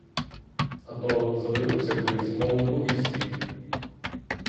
А то, задивився кудись, мов у другий світ.